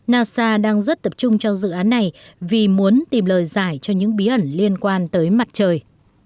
nasa đang rất tập trung cho dự án này vì muốn tìm lời giải cho những bí ẩn liên quan tới mặt trời